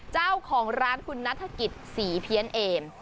เจ้าของร้านคุณนัฐกิจศรีเพี้ยนเอม